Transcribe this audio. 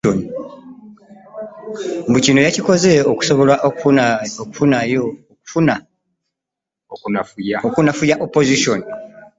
Mbu kino yakikoze okusobola okunafuya opoziisoni